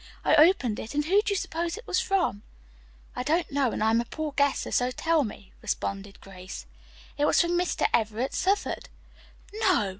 I opened it, and who do you suppose it was from?" "I don't know, and I'm a poor guesser, so tell me," responded Grace. "It was from Mr. Everett Southard." "No!